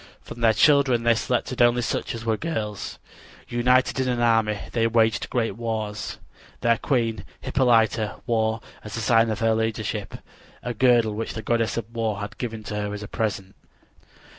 From their children they selected only such as were girls. United in an army, they waged great wars. Their queen, Hippolyta, wore, as a sign of her leadership, a girdle which the goddess of war had given her as a present.